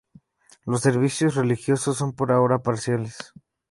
Los servicios religiosos son por ahora parciales.